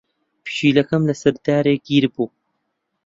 پشیلەکەم لەسەر دارێک گیر بوو.